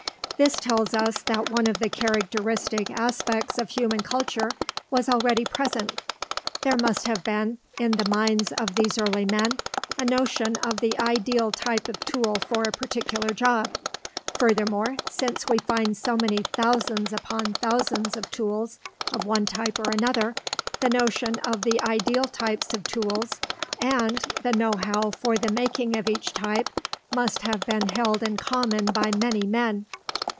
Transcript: This tells us that one of the characteristic aspects of human culture was already present. There must have been, in the minds of these early men, a notion of the ideal type of tool for a particular job. Furthermore, since we find so many thousands upon thousands of tools of one type or another, the notion of the ideal types of tools and the know how for the making of each type must have been held in common by many men.